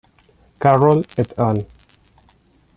Carroll et al.